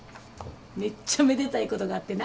めっちゃめでたいことがあってな。